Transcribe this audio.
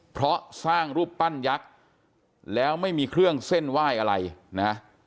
เพราะสร้างรูปปั้นยักษ์แล้วไม่มีเครื่องเส้นไหว้อะไรนะ